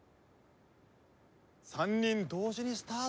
３人同時にスタート。